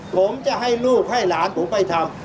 ผมจะให้ลูกให้หลานผมไปทำ